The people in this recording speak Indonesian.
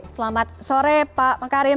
selamat sore pak karim